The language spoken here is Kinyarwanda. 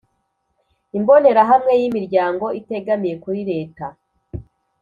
imbonerahamwe y’imiryango itegamiye kuri leta